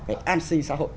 cái an sinh xã hội